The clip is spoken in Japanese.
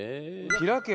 『ひらけ！